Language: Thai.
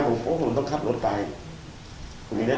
วันที่ไปผมต้องขับรถไปผมอยู่ในที่ขับรถ